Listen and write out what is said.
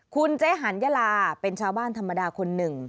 คุณเจ๊หันยาลาเป็นชาวบ้านธรรมดาคนหนึ่ง